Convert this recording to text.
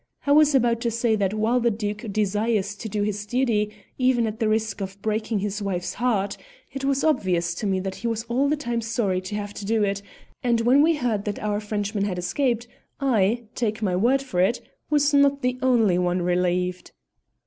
"I was about to say that while the Duke desires to do his duty, even at the risk of breaking his wife's heart, it was obvious to me he was all the time sorry to have to do it, and when we heard that our Frenchman had escaped I, take my word for it, was not the only one relieved."